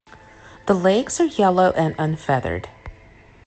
The legs are yellow and unfeathered.